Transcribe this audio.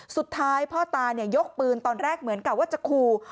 สุดท้ายพ่อตายกปืนตอนแรกเหมือนกับว่าจะคู่